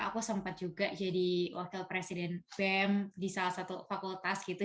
aku sempat juga jadi wakil presiden bem di salah satu fakultas gitu